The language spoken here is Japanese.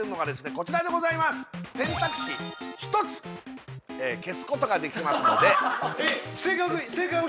こちらでございます選択肢１つ消すことができますのでは